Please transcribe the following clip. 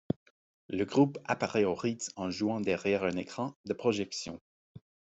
Le groupe apparait au Ritz en jouant derrière un écran de projection.